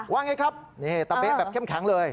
ว่าไงครับตะเบ๊ดแบบแค่มแข็งเลย